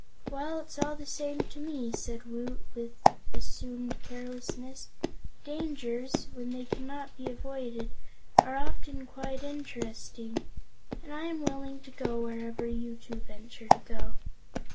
"Well, it's all the same to me," said Woot, with assumed carelessness. "Dangers, when they cannot be avoided, are often quite interesting, and I am willing to go wherever you two venture to go."